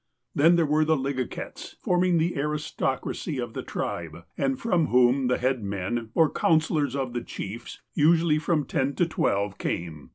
Then there were the " Ligakets " forming the aristoc racy of the tribe, and from whom the head men, or coun sellors of the chiefs, usually from ten to twelve, came.